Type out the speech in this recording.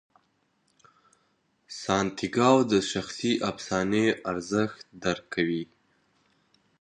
سانتیاګو د شخصي افسانې ارزښت درک کوي.